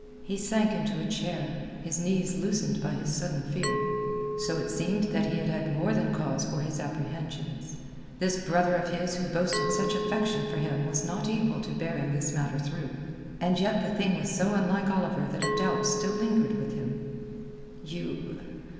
He sank into a chair, his knees loosened by his sudden fear. So it seemed that he had had more than cause for his apprehensions. This brother of his who boasted such affection for him was not equal to bearing this matter through. And yet the thing was so unlike Oliver that a doubt still lingered with him. "You...